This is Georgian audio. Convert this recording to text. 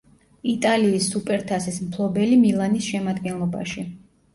იტალიის სუპერთასის მფლობელი „მილანის“ შემადგენლობაში.